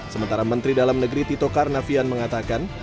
sementara menteri dalam negeri tito karnavian mengatakan